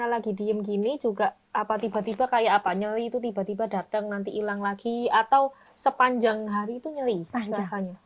saya lagi diem gini juga apa tiba tiba kayak apa nyari itu tiba tiba datang nanti ilang lagi atau sepanjang hari itu nyari rasanya